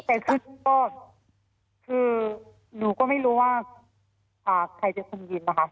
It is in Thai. แต่คือตอนคือหนูก็ไม่รู้ว่าอ่าใครจะทรงยินนะคะ